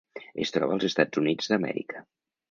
Es troba als Estats Units d'Amèrica.